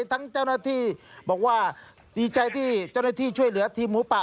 เจ้าหน้าที่บอกว่าดีใจที่เจ้าหน้าที่ช่วยเหลือทีมหมูป่า